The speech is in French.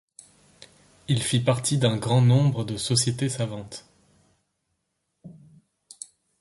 Il fit partie d'un grand nombre de sociétés savantes.